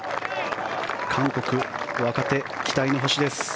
韓国、若手期待の星です。